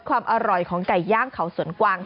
ความอร่อยของไก่ย่างเขาสวนกวาง